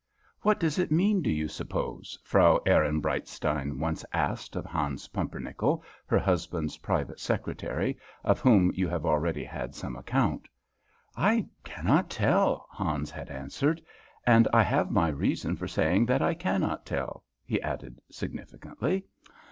"What does it mean, do you suppose?" Frau Ehrenbreitstein once asked of Hans Pumpernickel, her husband's private secretary, of whom you have already had some account. "I cannot tell," Hans had answered, "and I have my reason for saying that I cannot tell," he added, significantly.